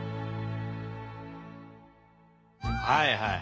はいはい。